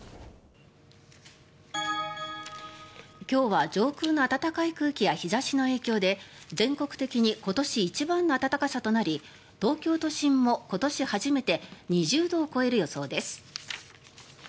今日は上空の暖かい空気や日差しの影響で全国的に今年一番の暖かさとなり東京都心も今年初めて２０度を超える予想です。